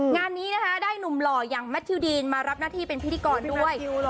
งานนี้นะคะได้หนุ่มหล่ออย่างแมททิวดีนมารับหน้าที่เป็นพิธีกรด้วย